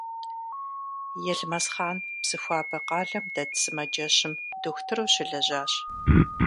Елмэсхъан Псыхуабэ къалэм дэт сымаджэщым дохутыру щылэжьащ.